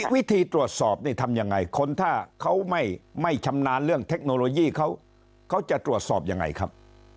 วิธีตรวจสอบนี่ทำยังไงคนถ้าเขาไม่ชำนาญเรื่องเทคโนโลยีเขาจะตรวจสอบยังไงครับ